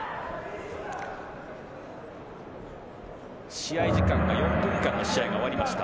試合時間が４分間の試合が終わりました。